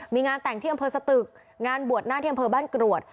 มีงานแต่งที่อำเภอสตึกงานบวชหน้าที่อำเภอบ้านกรวด